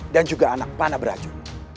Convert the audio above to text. dan juga anak panah beracun